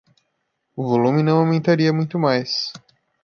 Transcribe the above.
O volume não aumentaria muito mais.